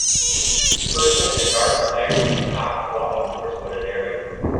Person in dark slacks and top walking towards wooded area.